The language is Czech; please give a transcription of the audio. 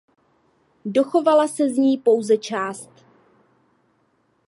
Dochovala se z ní pouze část.